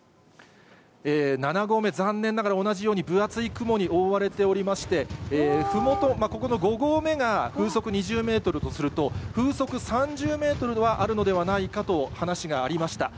７合目、残念ながら、同じように分厚い雲に覆われておりまして、ふもと、ここの５合目が風速２０メートルとすると、風速３０メートルはあるのではないかと話がありました。